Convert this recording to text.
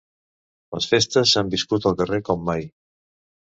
Les festes s’han viscut al carrer com mai.